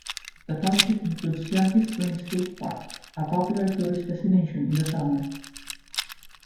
The township includes Yankee Springs State Park, a popular tourist destination in the summer.